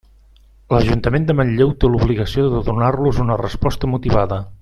L'Ajuntament de Manlleu té l'obligació de donar-los una resposta motivada.